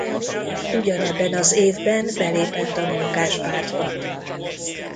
Ugyanebben az évben belépett a Munkáspártba.